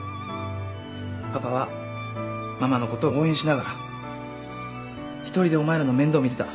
パパはママのことを応援しながら１人でお前らの面倒見てた。